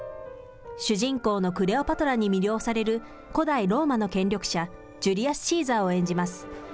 主人公のクレオパトラに魅了される古代ローマの権力者、ジュリアス・シーザーを演じます。